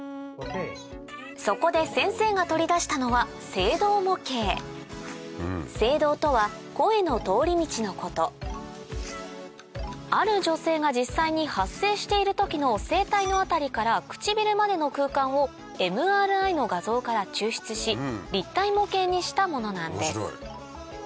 そこで先生が取り出したのは声道とは声の通り道のことある女性が実際に発声している時の声帯の辺りから唇までの空間をＭＲＩの画像から抽出し立体模型にしたものなんです面白い！